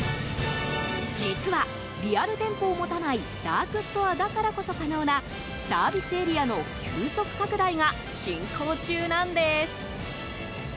実は、リアル店舗を持たないダークストアだからこそ可能なサービスエリアの急速拡大が進行中なんです。